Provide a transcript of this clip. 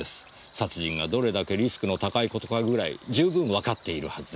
殺人がどれだけリスクの高いことかぐらい十分わかっているはずです。